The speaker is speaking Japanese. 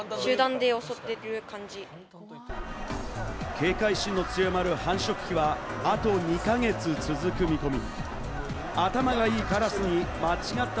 警戒心の強まる繁殖期はあと２か月続く見込み。